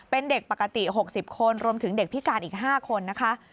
เป็นเด็กปกติ๖๐คนรวมถึงเด็กพิการอีก๕คนนะคะ